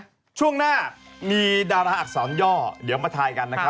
สุดยอดของคุณคะมีดาราอักษรย่อเดี๋ยวมาไทยกันนะคะ